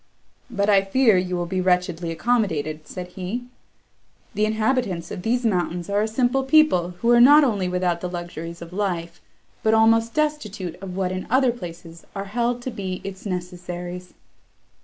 "But I fear you will be wretchedly accommodated," said he: "the inhabitants of these mountains are a simple people, who are not only without the luxuries of life, but almost destitute of what in other places are held to be its necessaries."